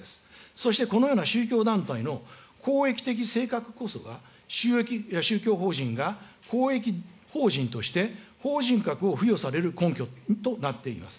そしてこのような宗教団体の公益的性格こそが宗教法人が公益法人として法人格を付与される根拠となっています。